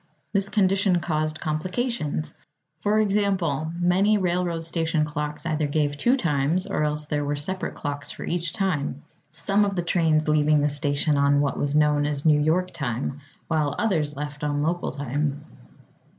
This condition caused complications. For example: Many railroad station clocks either gave two times, or else there were separate clocks for each time, some of the trains leaving the station on what was know as New York time, while others left on local time.